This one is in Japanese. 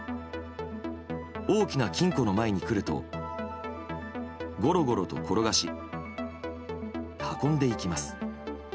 大きな金庫の前に来るとゴロゴロと転がし運んでいきます。